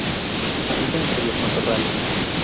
Habita entre los matorrales.